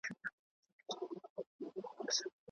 استازي به په مکرر ډول د خپلو حقونو يادونه کوي.